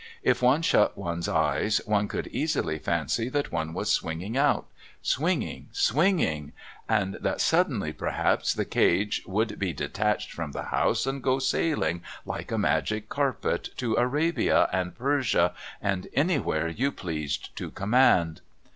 If one shut one's eyes one could easily fancy that one was swinging out swinging swinging, and that, suddenly perhaps, the cage would be detached from the house and go sailing, like a magic carpet, to Arabia and Persia, and anywhere you pleased to command.